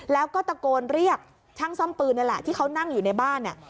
แล้วก็ตะโกนเรียกช่างซ่อมปืนนี่แหละที่เขานั่งอยู่ในบ้านเนี่ย